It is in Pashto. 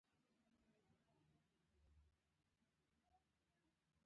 چیني سونګېده او په سونګاري یې دا ښودله.